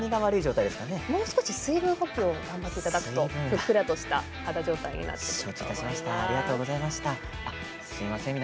もう少し水分補給を頑張っていただくと、ふっくらとした肌状態になると思います。